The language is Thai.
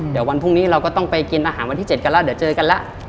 เดี๋ยววันพรุ่งนี้เราก็ต้องไปกินอาหารวันที่๗กันแล้วเดี๋ยวเจอกันแล้ว